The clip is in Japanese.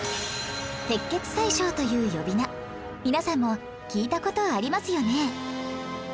「鉄血宰相」という呼び名皆さんも聞いた事ありますよね